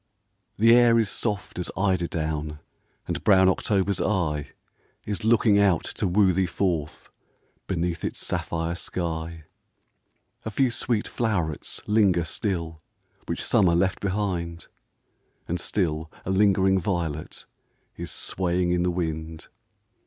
The air is soft as eider down ; And brown October's eye Is looking out to woo thee forth Beneath its sapphire sky. AN AUTUMN INVITATION. 115 A few sweet flow'rets linger still, Which Summer left behind ; And still a lingering violet Is swaying in the wind.